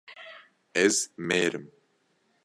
Ez mêr im.